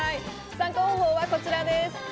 参加方法はこちらです。